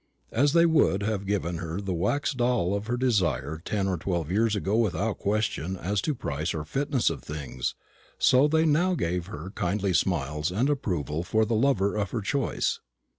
As they would have given her the wax doll of her desire ten or twelve years ago without question as to price or fitness of things, so they now gave her their kindly smiles and approval for the lover of her choice.